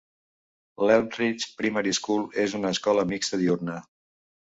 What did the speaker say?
L'Elmridge Primary School és una escola mixta diurna.